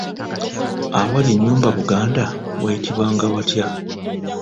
Awali ennyumba Buganda waayitibwanga watya?